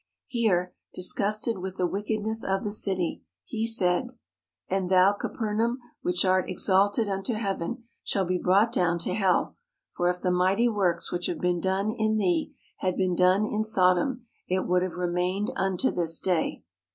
Here, disgusted with the wickedness of the city, He said: And thou, Capernaum, which art exalted unto Heaven shall be brought down to hell; for if the mighty works which have been done in thee, had been done in Sodom, it would have remained unto this day.